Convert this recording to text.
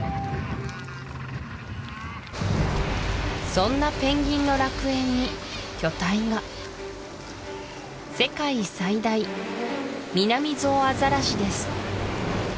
そんなペンギンの楽園に巨体が世界最大ミナミゾウアザラシです